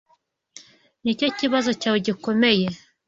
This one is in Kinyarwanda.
Nicyo kibazo cyawe gikomeye.